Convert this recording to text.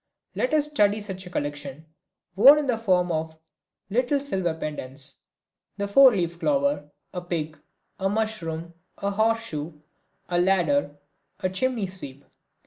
Let us study such a collection, worn in the form of little silver pendants: the four leaf clover, a pig, a mushroom, a horse shoe, a ladder, a chimney sweep.